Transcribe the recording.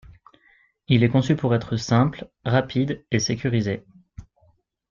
Il est conçu pour être simple, rapide et sécurisé.